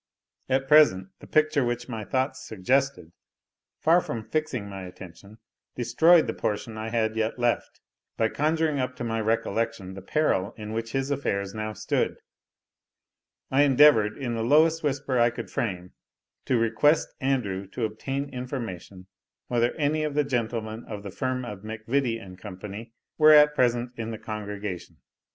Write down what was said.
At present, the picture which my thoughts suggested, far from fixing my attention, destroyed the portion I had yet left, by conjuring up to my recollection the peril in which his affairs now stood. I endeavoured, in the lowest whisper I could frame, to request Andrew to obtain information, whether any of the gentlemen of the firm of MacVittie & Co. were at present in the congregation.